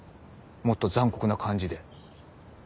もっと残酷な感じで。